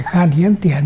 khan hiếm tiền